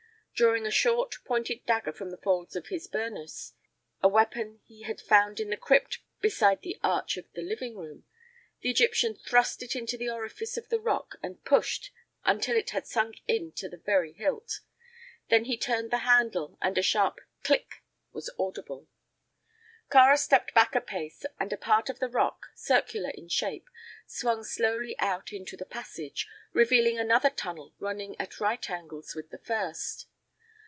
Drawing a short, pointed dagger from the folds of his burnous a weapon he had found in the crypt beside the arch of the living room the Egyptian thrust it into the orifice of the rock and pushed until it had sunk in to the very hilt. Then he turned the handle, and a sharp "click" was audible. Kāra stepped back a pace, and a part of the rock, circular in shape, swung slowly out into the passage, revealing another tunnel running at right angles with the first.